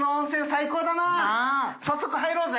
早速入ろうぜ。